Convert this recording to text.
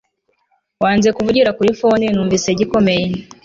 wanze kuvugira kuri phone numvise gikomeye